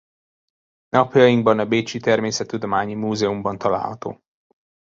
Napjainkban a Bécsi Természettudományi Múzeumban található.